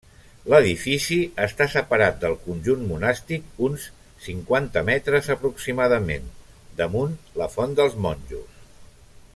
L'edifici està separat del conjunt monàstic uns cinquanta metres aproximadament damunt la Font dels Monjos.